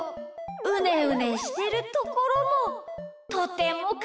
うねうねしてるところもとてもかわいいです。